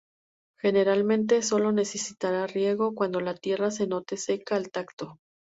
Generalmente sólo necesitará riego cuando la tierra se note seca al tacto.